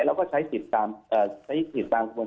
และใช้ศิษย์ฟางสาร